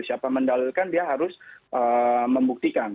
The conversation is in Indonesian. siapa mendalilkan dia harus membuktikan